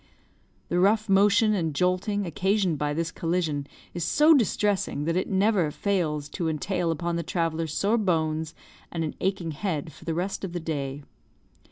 The rough motion and jolting occasioned by this collision is so distressing that it never fails to entail upon the traveller sore bones and an aching head for the rest of the day.